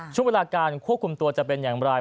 ช่วงเวลาการควบคุมตัวจะเป็นอย่างไร